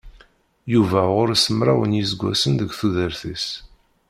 Yuba ɣur-s mraw n yiseggasen deg tudert-is.